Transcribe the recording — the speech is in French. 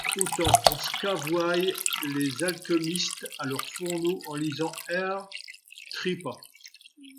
Autant en sçavoyent les alquemistes à leurs fourneaux en lisant Her Trippa.